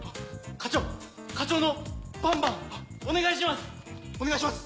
課長のバンバンお願いします。